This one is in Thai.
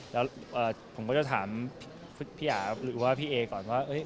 แล้วผมก็จะถามพี่อาหรือว่าพี่เอก่อนว่า